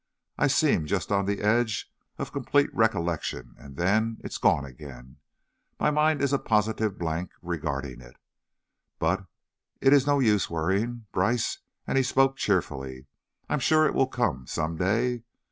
I seem just on the edge of complete recollection, and, then, it's gone again, and my mind is a positive blank regarding it. But, it's no use worrying, Brice," and he spoke cheerfully, "I'm sure it will come, some day.